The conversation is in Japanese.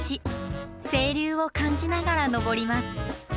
清流を感じながら登ります。